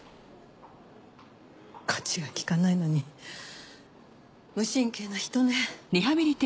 こっちがきかないのに無神経な人ね。